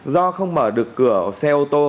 do không mở được cửa xe ô tô